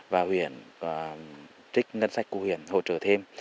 và huyện trích ngân sách của huyện hỗ trợ thêm